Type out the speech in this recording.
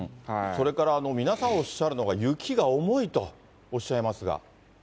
それから皆さんおっしゃるのが、雪が重いとおっしゃいますが。